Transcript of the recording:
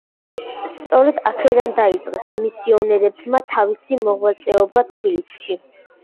სწორედ აქედან დაიწყეს მისიონერებმა თავისი მოღვაწეობა თბილისში.